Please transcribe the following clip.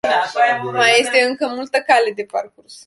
Mai este încă multă cale de parcurs.